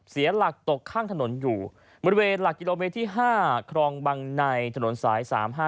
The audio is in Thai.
เสียหลักตกข้างถนนอยู่บริเวณหลักกิโลเมตรที่๕ครองบังในถนนสาย๓๕